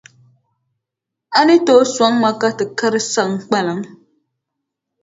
A ni tooi sɔŋ ma ka ti kari Saŋkpaliŋ?